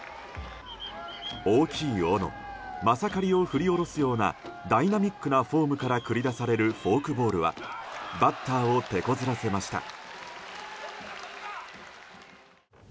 大きい斧、まさかりを振り下ろすようなダイナミックなフォームから繰り出されるフォークボールはバッターをてこずらせました。